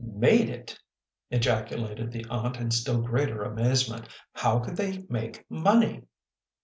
" Made it !" ejaculated the aunt in still greater amaze ment. " How could they make money